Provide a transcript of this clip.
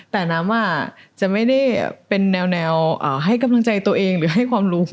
แต่น้ำจะไม่ได้เป็นแนวให้กำลังใจตัวเองหรือให้ความรู้